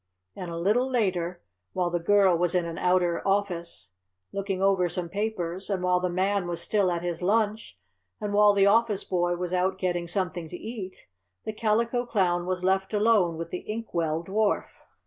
And a little later, while the girl was in an outer office looking over some papers and while the Man was still at his lunch and while the office boy was out getting something to eat, the Calico Clown was left alone with the Ink Well Dwarf.